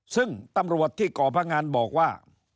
ซึ่งตำรวจที่ก่อพงันบอกว่า